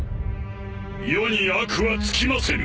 世に悪は尽きませぬ。